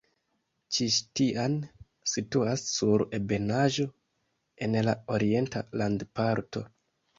Ĉiŝtian situas sur ebenaĵo en la orienta landparto.